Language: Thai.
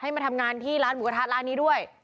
มาทำงานที่ร้านหมูกระทะร้านนี้ด้วย